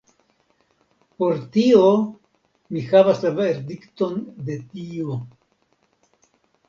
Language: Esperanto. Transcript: Por tio mi havas la verdikton de Dio.